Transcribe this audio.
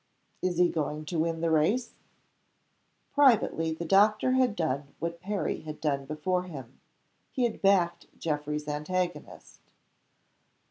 "Is he going to win the race?" Privately the doctor had done what Perry had done before him he had backed Geoffrey's antagonist.